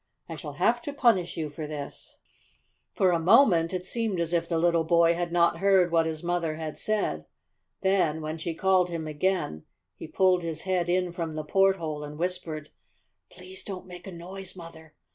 I shall have to punish you for this!" For a moment it seemed as if the little boy had not heard what his mother had said. Then, when she called him again, he pulled his head in from the porthole and whispered: "Please don't make a noise, Mother!